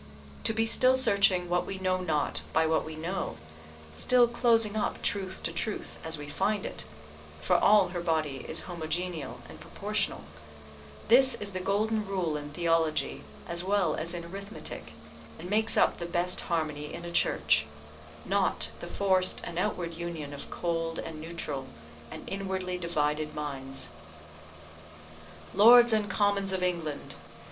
To be still searching what we know not by what we know, still closing up truth to truth as we find it (for all her body is homogeneal and proportional), this is the golden rule in theology as well as in arithmetic, and makes up the best harmony in a Church; not the forced and outward union of cold, and neutral, and inwardly divided minds. Lords and Commons of England!